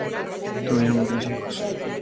Tuvieron varios hijos.